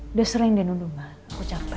udah sering dia nuduh ma aku capek